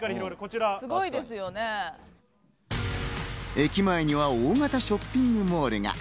駅前には大型ショッピングモールが。